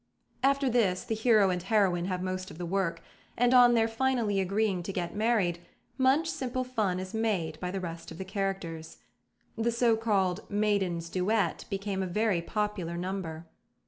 After this, the hero and heroine have most of the work; and on their finally agreeing to get married, much simple fun is made by the rest of the characters. The so called "Maidens' Duet" became a very popular number.